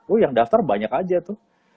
oh yang daftar banyak aja tuh